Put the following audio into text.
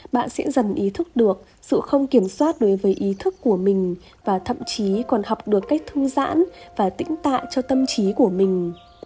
bạn sẽ dần ý thức được sự không kiểm soát đối với ý thức của mình và thậm chí còn học được cách thư giãn và tĩnh tại cho tâm trí của mình